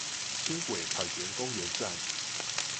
輕軌凱旋公園站